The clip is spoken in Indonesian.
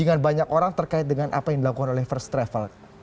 dengan banyak orang terkait dengan apa yang dilakukan oleh first travel